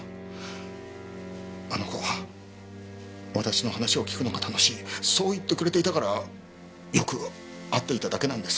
あの子は私の話を聞くのが楽しいそう言ってくれていたからよく会っていただけなんです。